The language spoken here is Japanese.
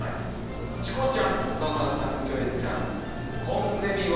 チコちゃん岡村さんキョエちゃんこんれみは」。